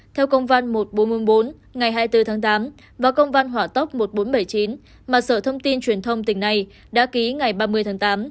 theo công văn một nghìn bốn trăm bốn mươi bốn ngày hai mươi bốn tháng tám và công văn hỏa tốc một nghìn bốn trăm bảy mươi chín mà sở thông tin truyền thông tỉnh này đã ký ngày ba mươi tháng tám